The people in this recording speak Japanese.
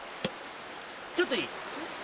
ちょっといい？